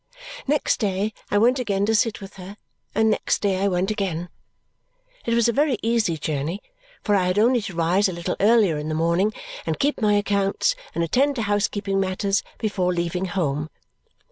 Next day I went again to sit with her, and next day I went again. It was a very easy journey, for I had only to rise a little earlier in the morning, and keep my accounts, and attend to housekeeping matters before leaving home.